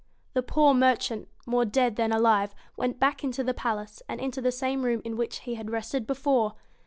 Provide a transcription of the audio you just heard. The poor merchant, more dead than alive, went back into the palace, and into the same room in which he had rested before.